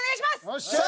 よっしゃ！